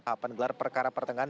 tahapan gelar perkara pertengahan